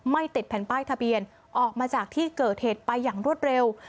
ติดแผ่นป้ายทะเบียนออกมาจากที่เกิดเหตุไปอย่างรวดเร็ว